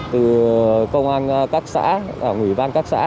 từ công an các xã ngủy bang các xã